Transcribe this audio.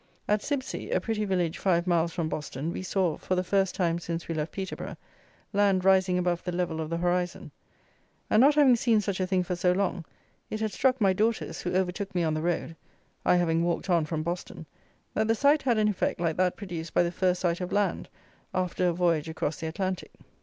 At Sibsey, a pretty village five miles from Boston, we saw, for the first time since we left Peterborough, land rising above the level of the horizon; and, not having seen such a thing for so long, it had struck my daughters, who overtook me on the road (I having walked on from Boston), that the sight had an effect like that produced by the first sight of land after a voyage across the Atlantic.